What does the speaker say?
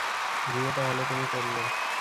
বিয়ে তাহলে তুমি করলে?